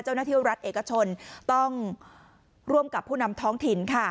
เจ้าหน้าที่รัฐเอกชนต้องร่วมกับผู้นำท้องถิ่นค่ะ